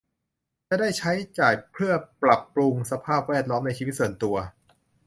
จะได้ใช้จ่ายเพื่อปรับปรุงสภาพแวดล้อมในชีวิตส่วนตัว